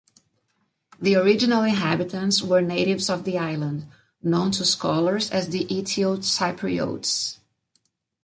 The original inhabitants were natives of the island, known to scholars as the "Eteocypriotes".